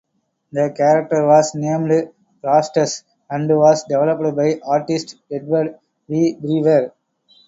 The character was named Rastus, and was developed by artist Edward V. Brewer.